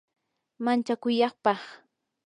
manchakuypaq